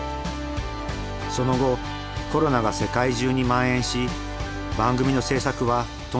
その後コロナが世界中にまん延し番組の制作は頓挫した。